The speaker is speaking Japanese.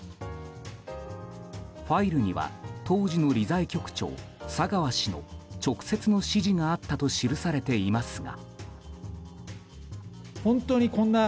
ファイルには当時の理財局長・佐川氏の直接の指示があったと記されていますが。